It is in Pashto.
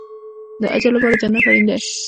د اجر لپاره جنت اړین دی